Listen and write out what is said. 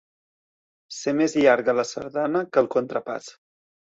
Ser més llarga la sardana que el contrapàs.